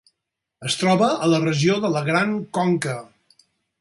Es troba a la regió de la Gran Conca.